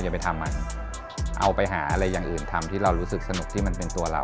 ไปทำมันเอาไปหาอะไรอย่างอื่นทำที่เรารู้สึกสนุกที่มันเป็นตัวเรา